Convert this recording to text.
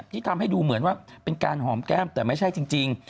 ที่ทำให้ดูเหมือนว่าเป็นการหอมแก้มแต่ไม่ใช่จริง